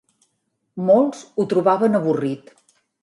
Molts ho trobaven avorrit.